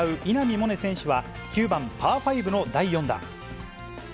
萌寧選手は、９番パー５の第４打。